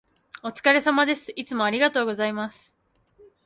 お疲れ様です。いつもありがとうございます。